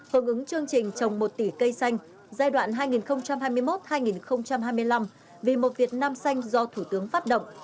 hợp ứng chương trình trồng một tỷ cây xanh giai đoạn hai nghìn hai mươi một hai nghìn hai mươi năm vì một việt nam xanh do thủ tướng phát động